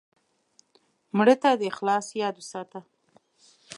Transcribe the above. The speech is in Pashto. مړه ته د اخلاص یاد وساته